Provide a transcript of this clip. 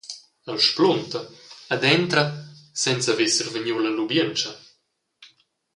El splunta ed entra senza haver survegniu la lubientscha.